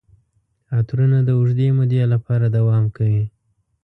عطرونه د اوږدې مودې لپاره دوام کوي.